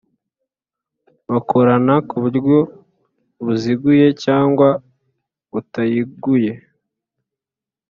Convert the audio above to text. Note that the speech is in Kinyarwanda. bakorana ku buryo buziguye cyangwa butayiguye